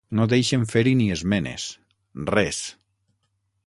No deixen fer-hi ni esmenes, res.